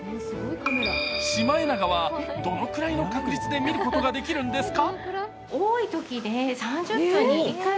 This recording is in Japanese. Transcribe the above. シマエナガは、どのくらいの確率で見ることができるんですか？